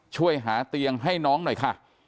ช่วยหาเตียงให้น้องหน่อยค่ะ